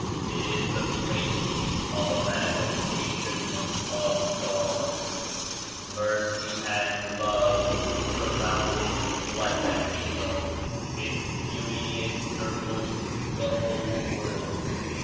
It is the Face of a Manifestation of God. Mercy and Love surround it like a halo. Its Beauty encircles the whole world.